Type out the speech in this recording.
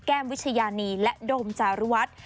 แก้มวิชญานีและโดมจารุวัตร